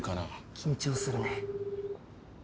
緊張するね。